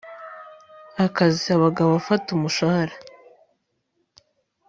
Akazi abagabo Fata umushahara